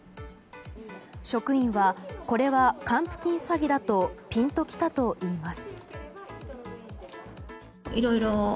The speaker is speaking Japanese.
職員はこれは還付金詐欺だとピンと来たといいます。